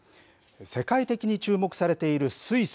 世界的に注目されている水素。